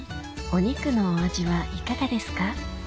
お肉のお味はいかがですか？